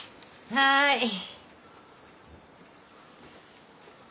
はい。